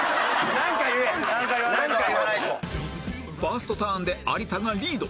ファーストターンで有田がリード